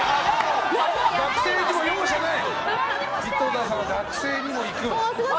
学生に容赦ない。